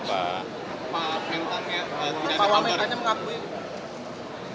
pak mentang ya pak wamen